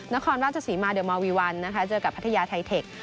นครราชสีมาเดิร์มอลวีวัลเจอกับพัทยาไทเทค